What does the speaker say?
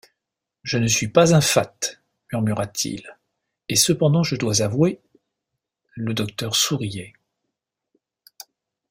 Je ne suis pas un fat, murmura-t-il, et cependant je dois avouer … Le docteur souriait.